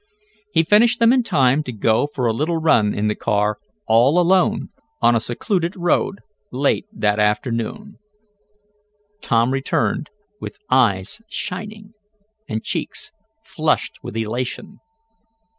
He finished them in time to go for a little run in the car all alone on a secluded road late that afternoon. Tom returned, with eyes shining, and cheeks flushed with elation.